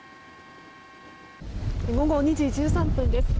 午後２時１３分です。